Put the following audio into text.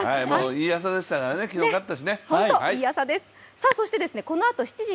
いい朝でしたからね、昨日勝ったしね。